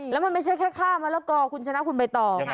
แล้วมันไม่ใช่แค่ค่ามะละกอคุณชนะคุณใบตอง